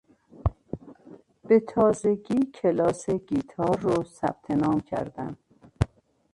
به تازگی کلاس گیتار رو ثبت نام کردم